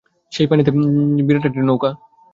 সেই পানিতেই পানশি জাতীয় বিরাট এক নৌকা।